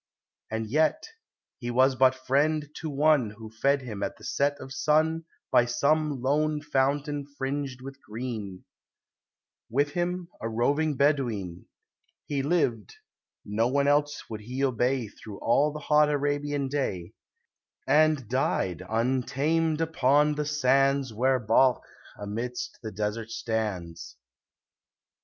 And jet, — he was but friend to one Who fed him at the set of sun By some lone fountain fringed with green; With him, a roving Bedouin, He lived (none else would he obey Through all the hot Arabian day), And died untamed upon the sands Where Balkh amidst the desert stands.